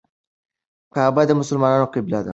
کعبه د مسلمانانو قبله ده.